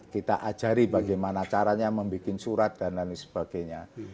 kita ajari bagaimana caranya membuat surat dan lain sebagainya